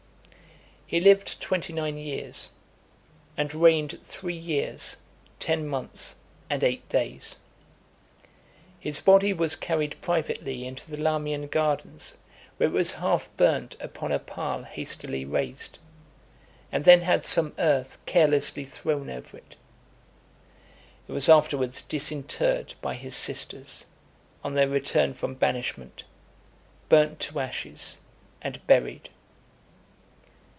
LIX. He lived twenty nine years, and reigned three years, ten months, and eight days. His body was carried privately into the Lamian Gardens , where it was half burnt upon a pile hastily raised, and then had some earth carelessly thrown over it. It was afterwards disinterred by his sisters, on their return from banishment, burnt to ashes, and buried.